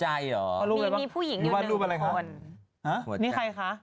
อย่ายุ่งมาก